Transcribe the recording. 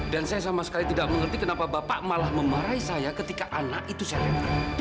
dan saya sama sekali tidak mengerti kenapa bapak malah memarahi saya ketika anak itu saya letak